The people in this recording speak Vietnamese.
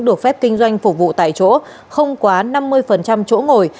được phép kinh doanh phục vụ tại chỗ không quá năm mươi chỗ ngồi